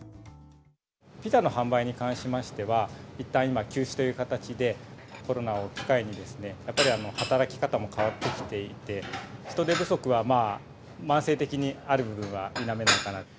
ピザの販売に関しましては、いったん今、休止という形で、コロナを機会にですね、やっぱり働き方も変わってきていて、人手不足は慢性的にある部分